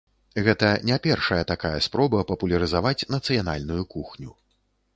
Гэта не першая такая спроба папулярызаваць нацыянальную кухню.